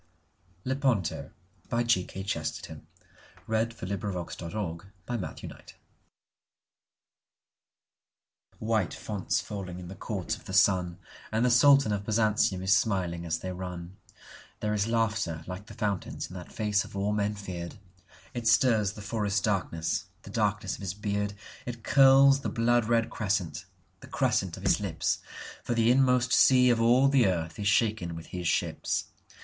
885ŌĆō1977). Modern British Poetry. 1920. G. K. Chesterton1874–1936 Lepanto WHITE founts falling in the Courts of the sun, And the Soldan of Byzantium is smiling as they run; There is laughter like the fountains in that face of all men feared, It stirs the forest darkness, the darkness of his beard; It curls the blood red crescent, the crescent of his lips; For the inmost sea of all the earth is shaken with his ships.